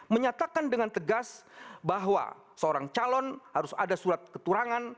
menyatakan dengan tegas bahwa seorang calon harus ada surat keturangan